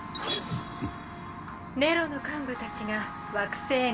ネロの幹部たちが惑星ネロ１